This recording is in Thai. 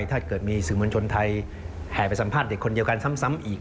ถ้าเกิดมีสื่อมวลชนไทยแห่ไปสัมภาษณ์เด็กคนเดียวกันซ้ำอีก